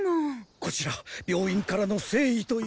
こちら病院からの誠意ということで。